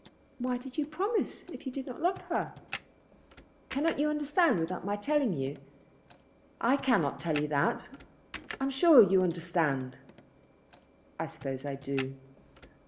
"Why did you promise if you do not love her?" "Cannot you understand without my telling you? I cannot tell you that. I am sure you understand." "I suppose I do.